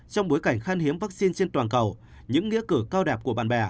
trong bối cảnh khan hiếm vaccine trên toàn cầu những nghĩa cử cao đẹp của bạn bè